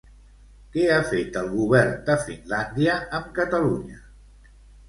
Què ha fet el govern de Finlàndia amb Catalunya?